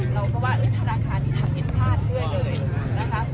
เราก็ว่าแล้วเอ้ยตลาดค้านี้ทำผิดพลาดด้วยเลยนะคะ